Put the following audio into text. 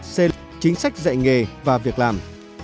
xê lịch chính sách dạy nghề và việc làm